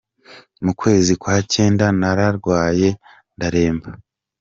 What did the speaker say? Mu kwezi kwa cyenda nararwaye, ndaremba.